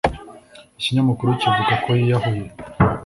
Ikinyamakuru kivuga ko yiyahuye